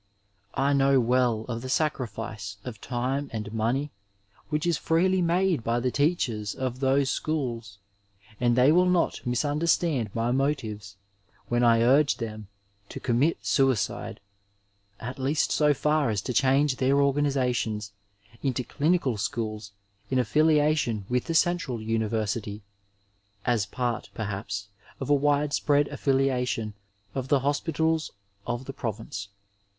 I know well of the sacrifice of time and money which is freely made by the teachers of those schools ; and they will not S66 Digitized by VjOOQIC THE MASTER WORD IN MEDICINE misunderatand my motives when I uige them to commit suicide, at least so iar as to change their organizations into clinical schools in affiliation with the central miiversity, as part, perhaps, of a widespread affiliation of the hospitals of the province.